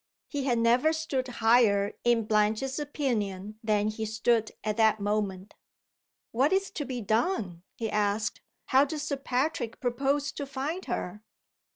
He had never stood higher in Blanche's opinion than he stood at that moment. "What is to be done?" he asked. "How does Sir Patrick propose to find her?"